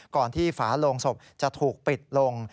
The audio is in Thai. ก่อนที่ฝาโลงศพจะถูกปิดลง